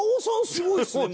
すごいですね。